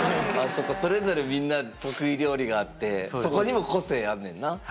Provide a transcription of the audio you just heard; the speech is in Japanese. そうかそれぞれみんな得意料理があってそこにも個性あるねんな。